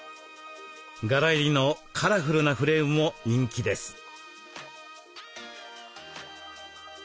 柄入りのカラフルなフレームも人気です。